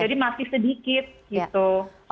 jadi masih sedikit gitu